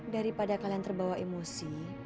daripada kalian terbawa emosi